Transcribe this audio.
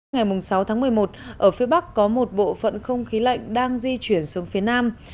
ngày sáu tháng một mươi một ở phía bắc có một bộ phận không khí lạnh đang di chuyển xuống phía nam